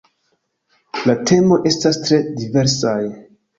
La temoj estas tre diversaj.